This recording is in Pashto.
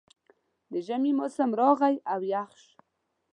د ژمي موسم راغی او یخ شو